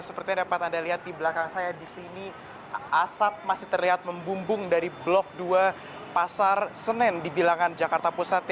seperti yang dapat anda lihat di belakang saya di sini asap masih terlihat membumbung dari blok dua pasar senen di bilangan jakarta pusat